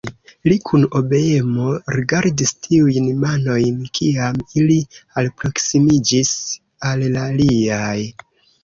Li kun obeemo rigardis tiujn manojn, kiam ili alproksimiĝis al la liaj.